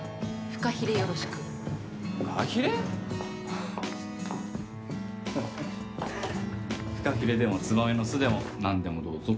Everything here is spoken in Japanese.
フカヒレでもツバメの巣でも何でもどうぞ！